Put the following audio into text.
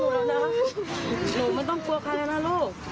กลับบ้านลูกเขามารับแล้วลูก